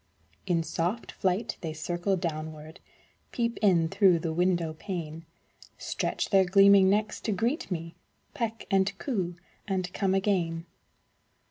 In soft flight, they circle downward, Peep in through the window pane; Stretch their gleaming necks to greet me, Peck and coo, and come again.